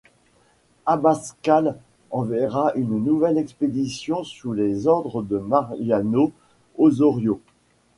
Abascal enverra une nouvelle expédition sous les ordres de Mariano Osorio.